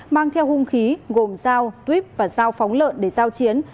mang theo hung khí gồm dao tuyếp và dao phóng lợn để giao chiến